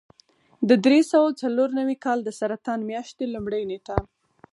د درې سوه څلور نوي کال د سرطان میاشتې لومړۍ نېټه.